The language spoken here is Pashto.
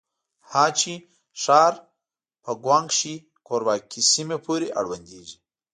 هه چه ښار په ګوانګ شي کورواکې سيمې پورې اړونديږي.